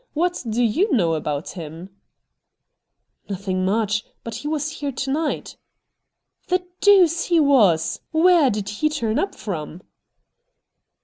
What do you know about him ?' 'Nothing much. But he was here to night.' ' The deuce he was ! Wliere did he turn up from